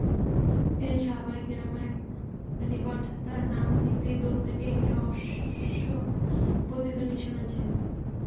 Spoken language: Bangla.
তিনি সাহাবায়ে কেরামের নিকট তার নাম নিতেই দূর থেকে এক অশ্বের পদধ্বনি শোনা যায়।